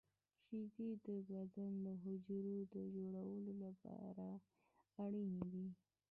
• شیدې د بدن د حجرو د جوړولو لپاره اړینې دي.